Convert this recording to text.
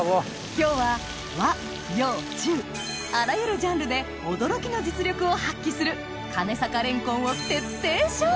今日は和・洋・中あらゆるジャンルで驚きの実力を発揮する金坂蓮魂を徹底紹介！